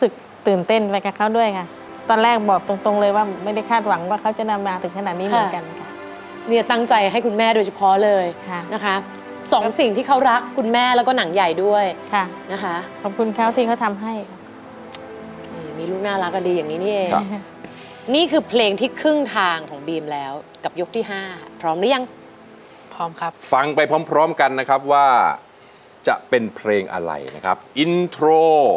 เขาด้วยค่ะตอนแรกบอกตรงเลยว่าไม่ได้คาดหวังว่าเขาจะนำมาถึงขนาดนี้เหมือนกันเนี่ยตั้งใจให้คุณแม่โดยเฉพาะเลยนะคะสองสิ่งที่เขารักคุณแม่แล้วก็หนังใหญ่ด้วยค่ะนะคะขอบคุณเขาที่เขาทำให้มีลูกน่ารักก็ดีอย่างนี้เนี่ยนี่คือเพลงที่ครึ่งทางของบีมแล้วกับยกที่๕พร้อมหรือยังพร้อมครับฟังไปพร้อ